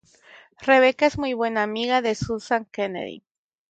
Rebecca es muy buena amiga de Susan Kennedy.